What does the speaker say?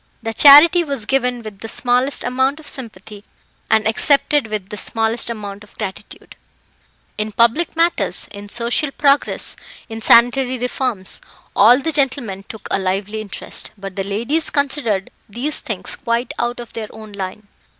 The charity was given with the smallest amount of sympathy, and accepted with the smallest amount of gratitude. In public matters, in social progress, in sanitary reforms, all the gentlemen took a lively interest; but the ladies considered these things quite out of their own line.